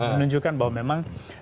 menunjukkan bahwa memang